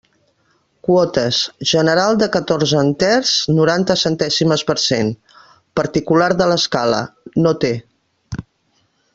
Quotes: general de catorze enters, noranta centèsimes per cent; particular de l'escala: no té.